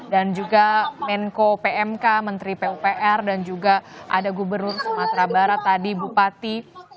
dan juga menko pmk menteri pupr dan juga ada gubernur sumatera barat tadi bupati